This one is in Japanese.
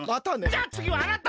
じゃあつぎはあなた！